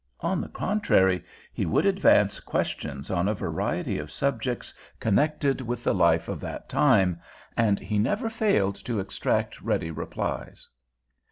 On the contrary, he would advance questions on a variety of subjects connected with the life of that time, and he never failed to extract ready replies.